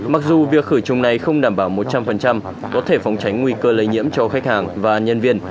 mặc dù việc khử trùng này không đảm bảo một trăm linh có thể phòng tránh nguy cơ lây nhiễm cho khách hàng và nhân viên